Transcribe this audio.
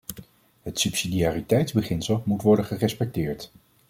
Het subsidiariteitsbeginsel moet worden gerespecteerd.